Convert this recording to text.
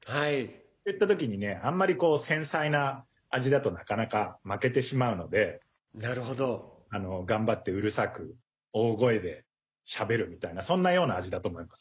そういった時にねあんまり繊細な味だとなかなか負けてしまうので頑張って、うるさく大声でしゃべるみたいなそんなような味だと思います。